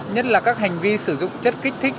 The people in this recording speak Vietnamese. nhất là các hành vi sử dụng chất kích thích